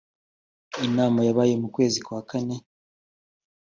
inama yabaye mu kwezi kwa kane